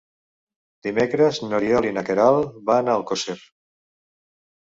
Dimecres n'Oriol i na Queralt van a Alcosser.